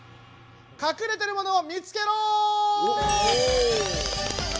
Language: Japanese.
かくれてるモノを見つけろ！